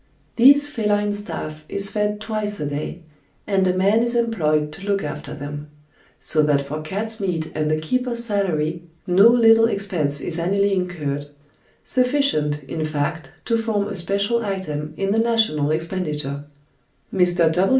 This feline staff is fed twice a day, and a man is employed to look after them; so that for cats' meat and the keeper's salary no little expense is annually incurred; sufficient, in fact, to form a special item in the national expenditure. Mr.